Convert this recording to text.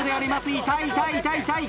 痛い痛い痛い痛い！